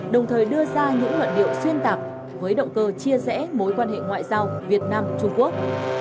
đồng thời đưa ra những luận điệu xuyên tạc với động cơ chia rẽ mối quan hệ ngoại giao việt nam trung quốc